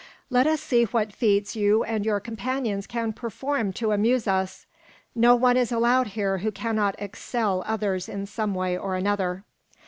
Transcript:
Let us see what feats you and your companions can perform to amuse us. No one is allowed here who cannot excel others in some way or another.